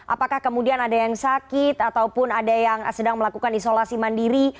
apakah kemudian ada yang sakit ataupun ada yang sedang melakukan isolasi mandiri